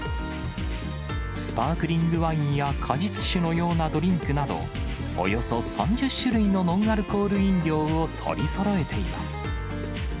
スパークリングワインや果実酒のようなドリンクなど、およそ３０種類のノンアルコール飲料を取りそろえています。